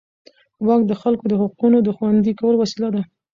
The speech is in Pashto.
واک د خلکو د حقونو د خوندي کولو وسیله ده.